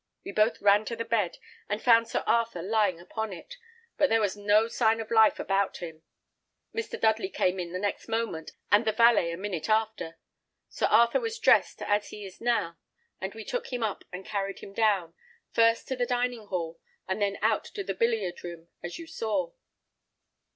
We both ran to the bed, and found Sir Arthur lying upon it, but there was no sign of life about him. Mr. Dudley came in the next moment, and the valet a minute after. Sir Arthur was dressed as he is now; and we took him up and carried him down, first to the dining hall, and then out to the billiard room, as you saw."